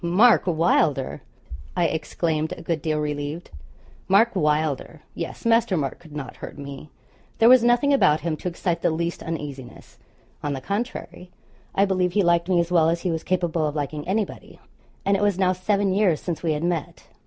'Pooh! Mark Wylder,' I exclaimed, a good deal relieved. Mark Wylder! Yes, Master Mark could not hurt me. There was nothing about him to excite the least uneasiness; on the contrary, I believe he liked me as well as he was capable of liking anybody, and it was now seven years since we had met.